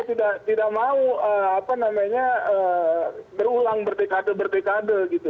kita juga tidak mau berulang berdekade berdekade